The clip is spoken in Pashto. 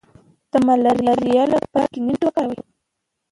د ملاریا لپاره د کینین بوټی وکاروئ